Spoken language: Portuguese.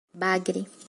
Bagre